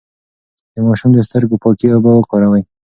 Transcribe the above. د ماشوم د سترګو پاکې اوبه وکاروئ.